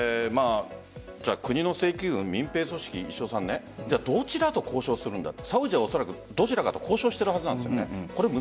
国の正規軍、民兵組織どちらと交渉するのかサウジはおそらくどちらかと交渉しているはずです。